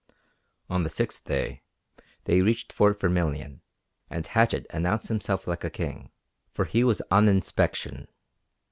On the sixth day they reached Fort Vermilion, and Hatchett announced himself like a king. For he was on inspection.